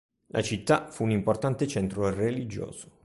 La città fu un importante centro religioso.